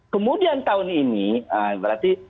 kemudian tahun ini berarti